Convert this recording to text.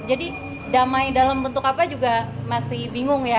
jadi damai dalam bentuk apa juga masih bingung ya